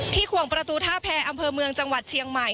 ขวงประตูท่าแพรอำเภอเมืองจังหวัดเชียงใหม่